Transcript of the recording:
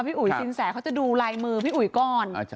อุ๋ยสินแสเขาจะดูลายมือพี่อุ๋ยก่อน